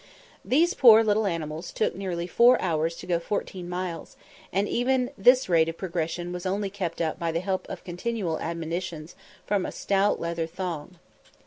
These poor little animals took nearly four hours to go fourteen miles, and even this rate of progression was only kept up by the help of continual admonitions from a stout leather thong.